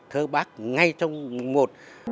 thơ bác ngay trong mùa một